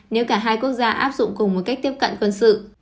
nếu cả hai quốc gia áp dụng cùng một cách tiếp cận quân sự